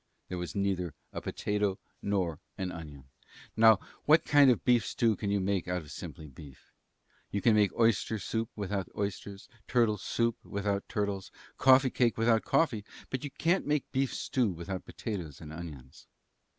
There was neither a potato nor an onion. Now, what kind of a beef stew can you make out of simply beef? You can make oyster soup without oysters, turtle soup without turtles, coffee cake without coffee, but you can't make beef stew without potatoes and onions.